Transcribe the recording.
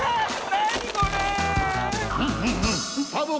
なにこれ⁉